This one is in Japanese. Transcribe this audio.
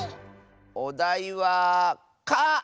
おだいは「か」！